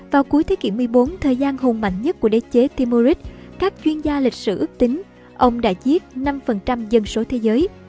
vào cuối thế kỷ một mươi bốn thời gian hùng mạnh nhất của đế chế timoris các chuyên gia lịch sử ước tính ông đã chiết năm dân số thế giới